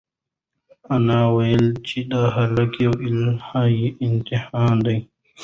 انا وویل چې دا هلک یو الهي امتحان دی.